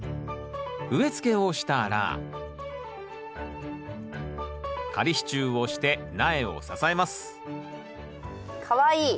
植えつけをしたら仮支柱をして苗を支えますかわいい。